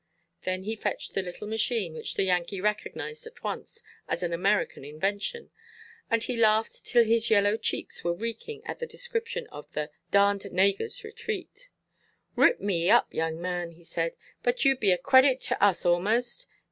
Then he fetched the little machine, which the Yankee recognised at once as an American invention, and he laughed till his yellow cheeks were reeking at the description of the "darned naygursʼ retreat." "Rip me up, young man," he said, "but yooʼd be a credit to us aʼmost.